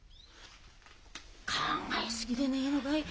考え過ぎでねえのかい？